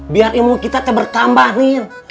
biar imu kita te bertambah nin